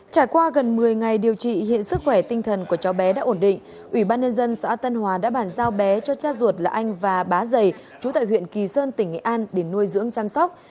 trải qua gần một mươi ngày điều trị hiện sức khỏe tinh thần của cháu bé đã ổn định ủy ban nhân dân xã tân hòa đã bàn giao bé cho cha ruột là anh và bá giày chú tại huyện kỳ sơn tỉnh nghệ an để nuôi dưỡng chăm sóc